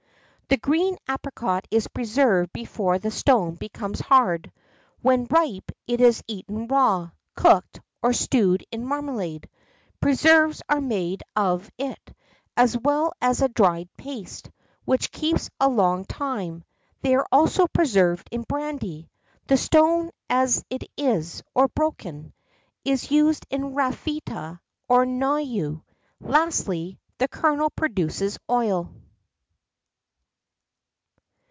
"The green apricot is preserved before the stone becomes hard; when ripe it is eaten raw, cooked, or stewed in marmalade; preserves are made of it, as well as a dried paste, which keeps a long time; they are also preserved in brandy. The stone as it is, or broken, is used in ratafia of Noyau. Lastly, the kernel produces oil."